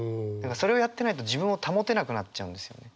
それをやってないと自分を保てなくなっちゃうんですよね。